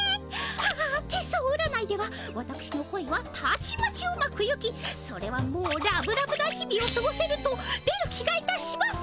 アア手相占いではわたくしの恋はたちまちうまくゆきそれはもうラブラブな日々をすごせると出る気がいたします。